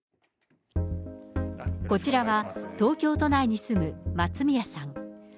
こちらは東京都内に住む松宮さん。